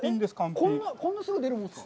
こんなすぐ出るものですか。